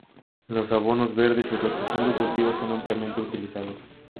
Los abonos verdes y rotación de cultivos son ampliamente utilizados.